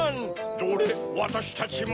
どれわたしたちも。